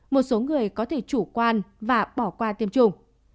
một số người có thể chủ quan và bỏ qua tiêm chủng